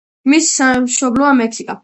მისი სამშობლოა მექსიკა.